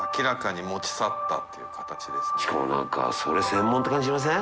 しかも何かそれ専門って感じしません？